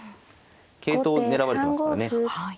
桂頭を狙われてますからね。